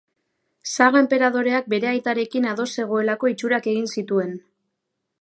Saga Enperadoreak bere aitarekin ados zegoelako itxurak egin zituen.